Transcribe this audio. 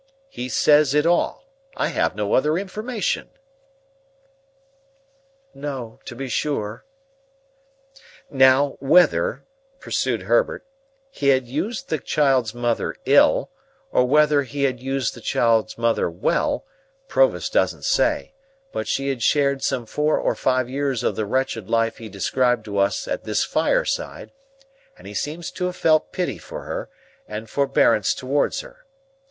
"He says it all. I have no other information." "No, to be sure." "Now, whether," pursued Herbert, "he had used the child's mother ill, or whether he had used the child's mother well, Provis doesn't say; but she had shared some four or five years of the wretched life he described to us at this fireside, and he seems to have felt pity for her, and forbearance towards her.